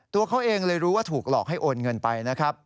ตัวเขาเองเลยรู้ว่าถูกหลอกให้โอนเงินไปนะครับ